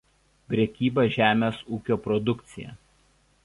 Prekyba žemės ūkio produkcija.